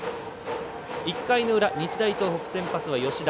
１回の裏、日大東北の先発は吉田。